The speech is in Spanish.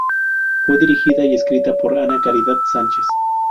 Fue dirigida y escrita por Ana Caridad Sánchez.